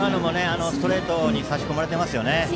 ストレートに差し込まれていますね。